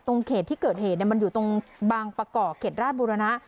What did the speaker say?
เขตที่เกิดเหตุมันอยู่ตรงบางประกอบเขตราชบุรณะ